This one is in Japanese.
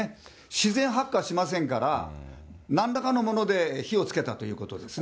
自然発火しませんから、なんらかのもので火をつけたということですね。